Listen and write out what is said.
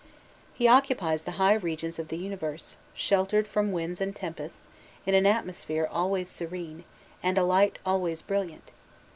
He occupies the high regions of the universe, sheltered from winds and tempests, in an atmosphere always serene, and a light always brilliant.